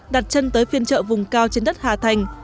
đặt chân tới phiên chợ vùng cao trên đất hà thành